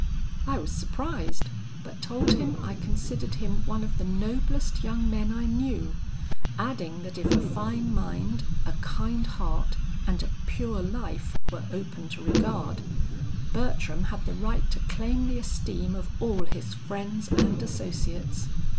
I was surprised, but told him I considered him one of the noblest young men I knew, adding that if a fine mind, a kind heart, and a pure life were open to regard, Bertram had the right to claim the esteem of all his friends and associates.